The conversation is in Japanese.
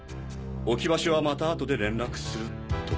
置き場所はまた後で連絡すると。